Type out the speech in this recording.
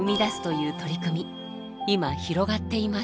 今広がっています。